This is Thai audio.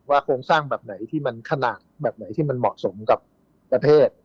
โครงสร้างแบบไหนที่มันขนาดแบบไหนที่มันเหมาะสมกับประเทศ